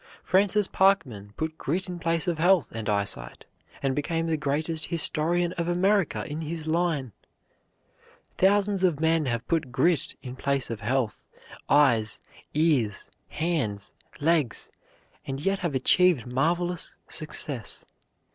Francis Parkman put grit in place of health and eyesight, and became the greatest historian of America in his line. Thousands of men have put grit in place of health, eyes, ears, hands, legs and yet have achieved marvelous success.